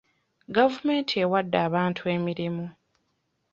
Gavumenti ewadde abantu emirimu.